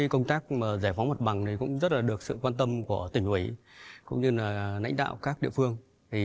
công tác giải phóng mặt bằng cũng rất được sự quan tâm của tỉnh ủy cũng như lãnh đạo các địa phương